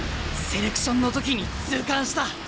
セレクションの時に痛感した。